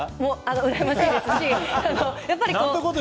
うらやましいですし。